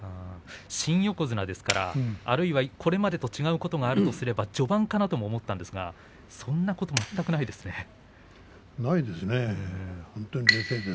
新横綱ですからあるいはこれまでと違うことがあるとすれば序盤かなと思ったんですがないですね。